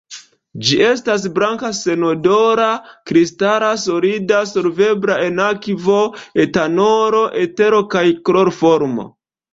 Ĝi estas blanka senodora kristala solido, solvebla en akvo, etanolo, etero kaj kloroformo.